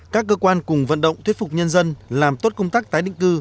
các cơ quan cùng vận động thuyết phục nhân dân làm tốt công tác tái định cư